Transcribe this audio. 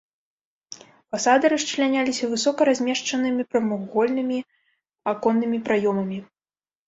Фасады расчляняліся высока размешчанымі прамавугольнымі аконнымі праёмамі.